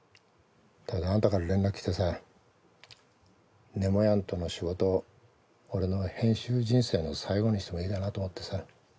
ただあんたから連絡来てさネモヤンとの仕事を俺の編集人生の最後にしてもいいかなと思ってさ。